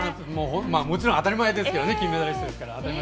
もちろん当たり前ですけどね金メダリストですから。